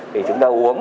để chúng ta uống